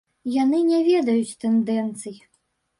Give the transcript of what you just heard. Яны не ведаюць тэндэнцый.